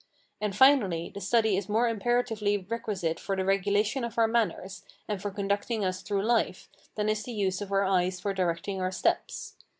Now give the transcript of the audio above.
And, finally, this study is more imperatively requisite for the regulation of our manners, and for conducting us through life, than is the use of our eyes for directing our steps.